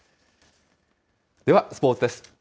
ではスポーツです。